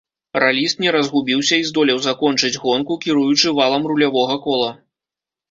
Раліст не разгубіўся і здолеў закончыць гонку, кіруючы валам рулявога кола.